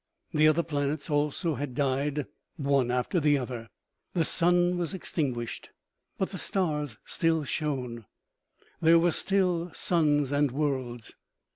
The other planets also had died one after the other. The sun was extinguished. But the stars still shone; there were ^_ still suns and worlds.